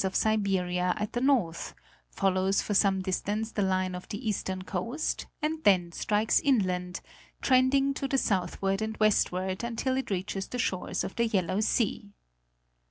of Siberia at the north, follows for some distance the line of the eastern coast and then strikes inland, trending to the southward and westward until it reaches the shores of the Yellow Sea.